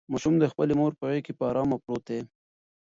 ماشوم د خپلې مور په غېږ کې په ارامه پروت دی.